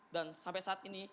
dan sampai saat ini